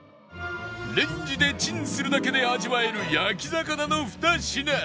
レンジでチンするだけで味わえる焼き魚の２品